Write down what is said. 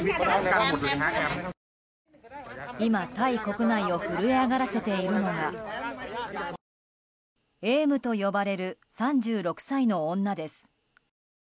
今、タイ国内を震え上がらせているのがエームと呼ばれる３６歳の女です。